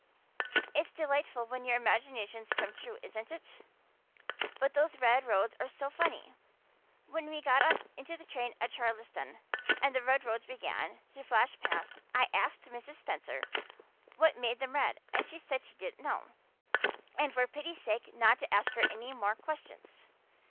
It's delightful when your imaginations come true, isn't it? But those red roads are so funny. When we got into the train at Charlottetown and the red roads began to flash past I asked Mrs. Spencer what made them red and she said she didn't know and for pity's sake not to ask her any more questions.